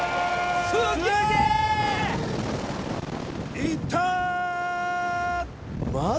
いった！